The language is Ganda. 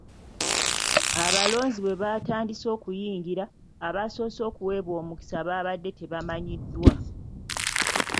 Abalonzi bwe batandise okuyingira, abasoose okuweebwa omukisa babadde tebamanyiddwa.